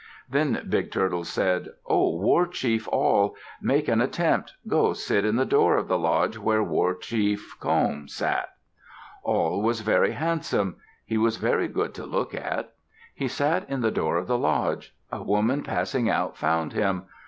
Then Big Turtle said, "O war chief Awl, make an attempt. Go sit in the door of the lodge where war chief Comb sat." Awl was very handsome. He was very good to look at. He sat in the door of the lodge. A woman passing out, found him.